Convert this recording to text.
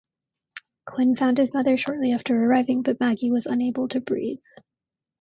Quinn found his mother shortly after arriving, but Maggie was unable to breathe.